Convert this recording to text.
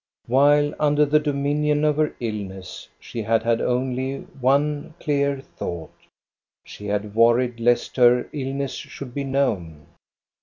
While under the dominion of her illness, she had had only one clear thought : she had worried lest her illness should be known.